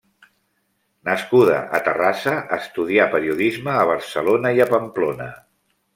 Nascuda a Terrassa, estudià periodisme a Barcelona i a Pamplona.